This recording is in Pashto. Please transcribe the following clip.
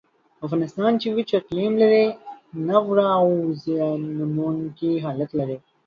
افغانستان چې وچ اقلیم لري، ناوړه او زیانمنونکی حالت لري.